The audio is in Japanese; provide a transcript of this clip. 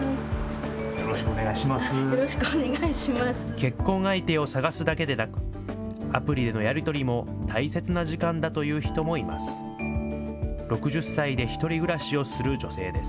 結婚相手を探すだけでなく、アプリでのやり取りも大切な時間だという人もいます。